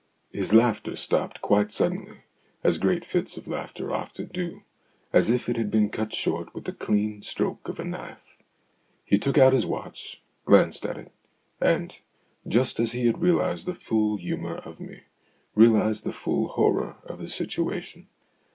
His laughter stopped quite suddenly, as great fits of laughter often do, as if it had been cut short with a clean stroke of a knife. He took out his watch, glanced at it, and just as he had realized the full humour of me realized the full horror of the situation.